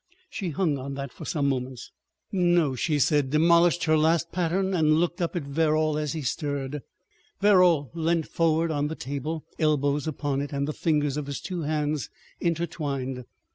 She hung on that for some moments. "No," she said, demolished her last pattern and looked up at Verrall as he stirred. Verrall leant forward on the table, elbows upon it, and the fingers of his two hands intertwined.